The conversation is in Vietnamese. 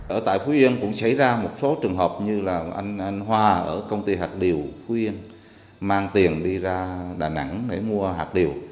ở tại phú yên cũng xảy ra một số trường hợp như là anh hòa ở công ty hạch điều phú yên mang tiền đi ra đà nẵng để mua hạt điều